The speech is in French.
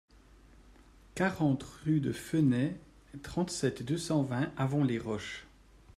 quarante rue de Feunet, trente-sept, deux cent vingt, Avon-les-Roches